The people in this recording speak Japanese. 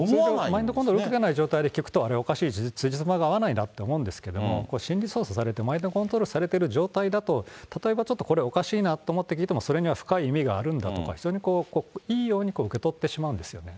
マインドコントロールを受けていない状態で聞くと、あれ、おかしい、つじつまが合わないなって思うんですけど、心理操作されて、マインドコントロールされてる状態だと、例えばちょっとこれおかしいなと思って聞いても、それには深い意味があるんだとか、非常にいいように受け取ってしまうんですよね。